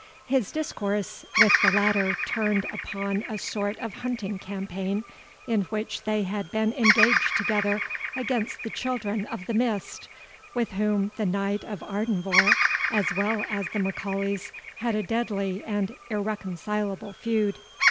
His discourse with the latter turned upon a sort of hunting campaign, in which they had been engaged together against the Children of the Mist, with whom the Knight of Ardenvohr, as well as the M'Aulays, had a deadly and irreconcilable feud.